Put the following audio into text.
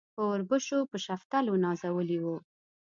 په اوربشو په شفتلو نازولي وو.